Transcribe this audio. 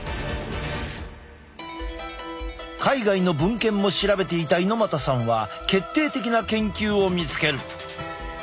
海外の文献も調べていた猪又さんは決定的な研究を見つける。